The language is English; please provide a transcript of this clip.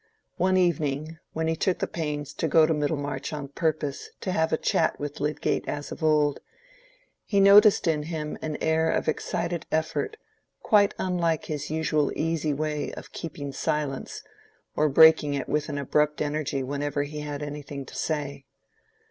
One evening, when he took the pains to go to Middlemarch on purpose to have a chat with Lydgate as of old, he noticed in him an air of excited effort quite unlike his usual easy way of keeping silence or breaking it with abrupt energy whenever he had anything to say.